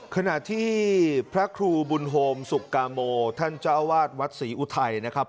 ขณะที่พระครูบุญโฮมสุกาโมท่านเจ้าอาวาสวัดศรีอุทัยนะครับ